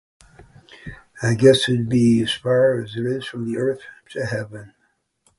I guess it would be as far as it is from the earth to heaven.